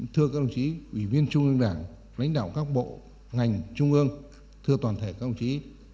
thưa các đồng chí ủy viên trung ương đảng lãnh đạo các bộ ngành trung ương thưa toàn thể các ông chí